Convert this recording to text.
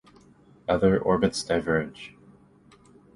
Other orbits diverge.